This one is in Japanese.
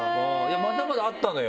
まだまだあったのよ！